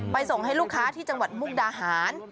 ส่งให้ลูกค้าที่จังหวัดมุกดาหาร